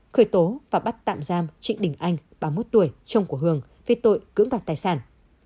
khởi tố và bắt tạm giam trịnh đình anh ba mươi một tuổi chồng của hường về tội cưỡng đoạt tài sản